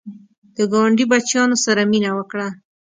د ګاونډي بچیانو سره مینه وکړه